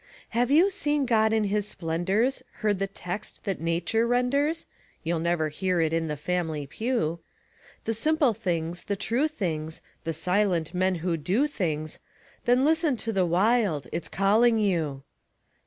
Have you seen God in His splendors, heard the text that nature renders? (You'll never hear it in the family pew.) The simple things, the true things, the silent men who do things Then listen to the Wild it's calling you.